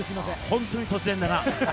本当に突然だな。